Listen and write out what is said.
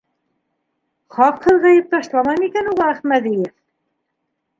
Хаҡһыҙ ғәйеп ташламай микән уға Әхмәҙиев?